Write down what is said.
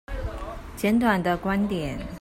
簡短的觀點